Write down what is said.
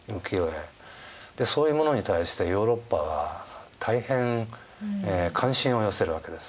そういうものに対してヨーロッパは大変関心を寄せるわけです。